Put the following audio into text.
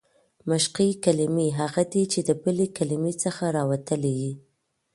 مشقي کلیمې هغه دي، چي د بلي کلیمې څخه راوتلي يي.